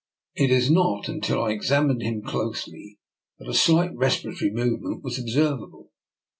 It was not until I examined him closely that a slight respiratory movement was observ able.